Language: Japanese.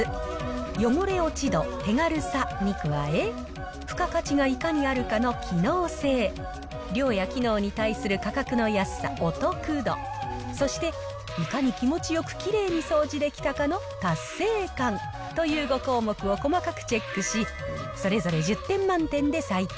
汚れ落ち度、手軽さに加え、付加価値がいかにあるかの機能性、量や機能に対する価格の安さ、お得度、そしていかに気持ちよくきれいに掃除できたかの達成感という５項目を細かくチェックし、それぞれ１０点満点で採点。